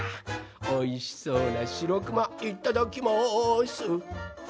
おいしそうなしろくまいただきます！